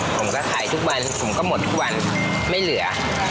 ผมก็ขายทุกวันผมก็หมดทุกวันไม่เหลือ